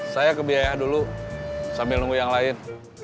saya kebiaya dulu sambil nunggu yang lain